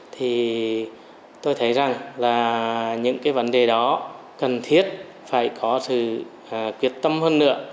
thì tôi thấy rằng là những cái vấn đề đó cần thiết phải có sự quyết tâm hơn nữa